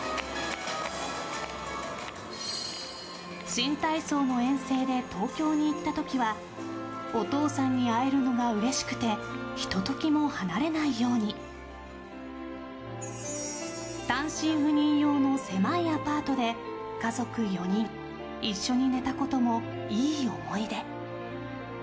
新体操の遠征で東京に行った時はお父さんに会えるのがうれしくてひと時も離れないように単身赴任用の狭いアパートで家族４人一緒に寝たこともいい思い出。